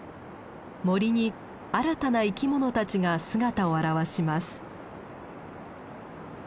森に新たな生き物たちが姿を現します。